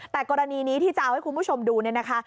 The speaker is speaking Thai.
แต่กรณีนี้ที่จะเอาให้คุณผู้ชมดูเนี่ยนะคะ